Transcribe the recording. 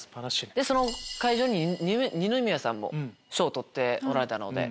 その会場に二宮さんも賞取っておられたので。